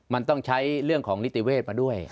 มันต้องใช้เรื่องของนิติเวศมาด้วย